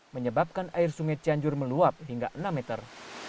menyebabkan air sungai cianjur meluap hingga enam meter